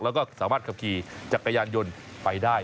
แล้วก็สามารถขับขี่จักรยานยนต์ไปได้